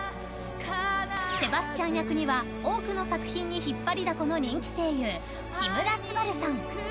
セバスチャン役には多くの作品に引っ張りだこの人気声優木村昴さん。